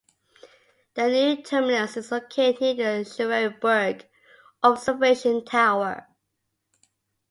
The new terminus is located near the Schwerer Berg observation tower.